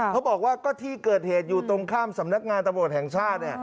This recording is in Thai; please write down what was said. เขาบอกว่าก็ที่เกิดเหตุอยู่ตรงข้ามสำนักงานตำรวจแห่งชาติ